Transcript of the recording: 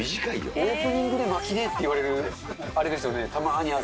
オープニングで巻きでって言われる、あれですよね、たまにある。